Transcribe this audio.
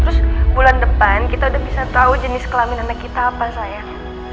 terus bulan depan kita udah bisa tau jenis kelaminan anak kita apa sayang